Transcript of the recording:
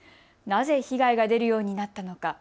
なぜ被害が出るようになったのか。